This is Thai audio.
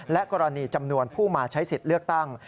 และกรณีจำนวนผู้มาใช้สิทธิ์เลือกตั้ง